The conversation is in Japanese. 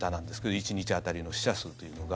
１日当たりの死者数というのが。